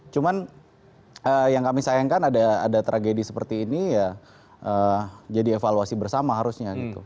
cuman yang kami sayangkan ada tragedi seperti ini ya jadi evaluasi bersama harusnya gitu